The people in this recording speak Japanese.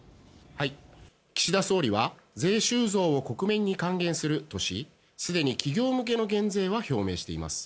岸田総理は税収増を国民に還元するとしすでに企業向けの減税は表明しています。